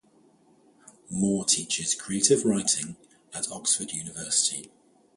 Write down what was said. Moore teaches Creative Writing at Oxford University.